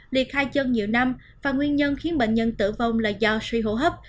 liệt hai chân nhiều năm và nguyên nhân khiến bệnh nhân tử vong là do suy hô hấp